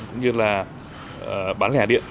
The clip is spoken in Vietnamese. cũng như là bán lẻ điện